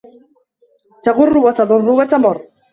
تَغُرُّ وَتَضُرُّ وَتَمُرُّ